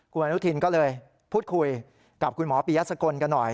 คุณอนุทินก็เลยพูดคุยกับคุณหมอปียะสกลกันหน่อย